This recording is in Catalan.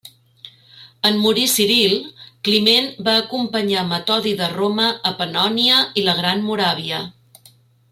En morir Ciril, Climent va acompanyar Metodi de Roma a Pannònia i la Gran Moràvia.